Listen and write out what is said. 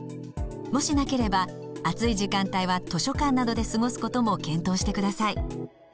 もしなければ暑い時間帯は図書館などで過ごすことも検討してください。